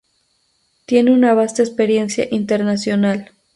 Tiene una vasta experiencia internacional.